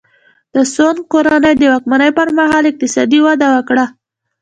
د سونګ کورنۍ د واکمنۍ پرمهال اقتصاد وده وکړه.